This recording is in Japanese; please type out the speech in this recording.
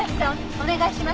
お願いします。